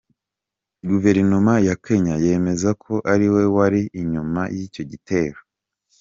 Guverinoma ya Kenya yemeza ko ari we wari inyuma y’icyo gitero.